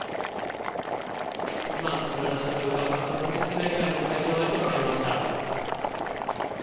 今、桂田社長が家族説明会の会場へと入りました。